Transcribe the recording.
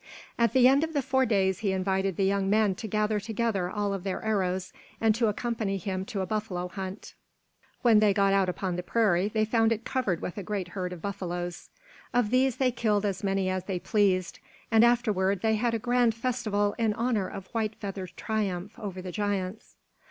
At the end of the four days he invited the young men to gather together all of their arrows and to accompany him to a buffalo hunt. When they got out upon the prairie, they found it covered with a great herd of buffalos. Of these they killed as many as they pleased, and afterward they had a grand festival in honor of White Feather's triumph over the giants.